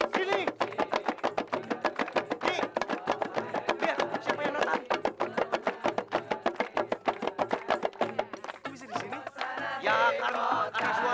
cuma hampir lihat tempat masu itu